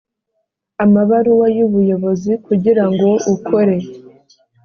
amabaruwa y ubuyobozi kugira ngo ukore